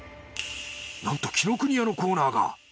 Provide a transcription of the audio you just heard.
なんと紀ノ国屋のコーナーが。